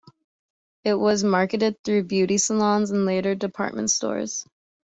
It was marketed through beauty salons and, later, department stores.